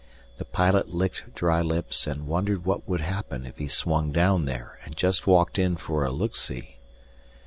The pilot licked dry lips and wondered what would happen if he swung down there and just walked in for a look see.